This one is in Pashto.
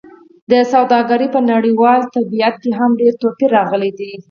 د سوداګرۍ په نړیوال طبیعت کې هم ډېر توپیر راغلی دی.